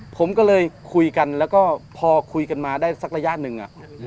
ผมก็เลยคุยกันแล้วก็พอคุยกันมาได้สักระยะหนึ่ง